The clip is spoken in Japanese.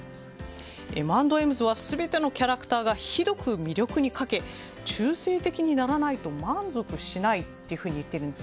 Ｍ＆Ｍ’ｓは全てのキャラクターがひどく魅力に欠け中性的にならないと満足しないというふうに言っているんです。